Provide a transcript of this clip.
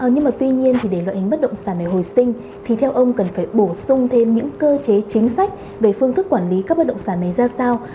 nhưng mà tuy nhiên thì để loại hình bất động sản này hồi sinh thì theo ông cần phải bổ sung thêm những cơ chế chính sách về phương thức quản lý các bất động sản này ra sao